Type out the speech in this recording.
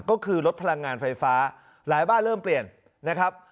ก็คือลดพลังงานไฟฟ้าหลายบ้านเริ่มเปลี่ยนนะครับ